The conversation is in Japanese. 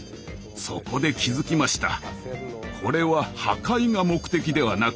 そこで気付きました。